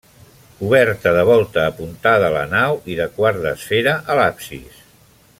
Coberta de volta apuntada a la nau i de quart d'esfera a l'absis.